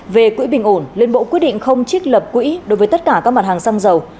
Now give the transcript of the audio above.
về quỹ bình ổn liên bộ quyết định không trích lập quỹ đối với tất cả các mặt hàng xăng dầu